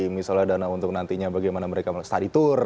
misalnya dana untuk nantinya bagaimana mereka mau study tour